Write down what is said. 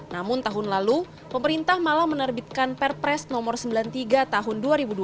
namun tahun lalu pemerintah malah menerbitkan perpres nomor sembilan puluh tiga tahun dua ribu dua puluh